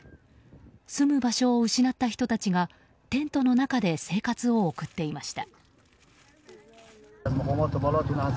住む場所を失った人たちがテントの中で生活を送っていました。